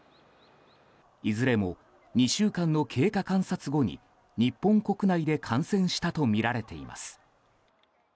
いずれも２週間の経過観察後に日本国内で感染したとみられています。